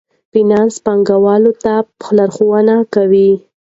فینانس پانګوالو ته لارښوونه کوي.